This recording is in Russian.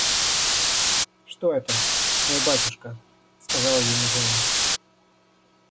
«Что это, мой батюшка? – сказала ему жена.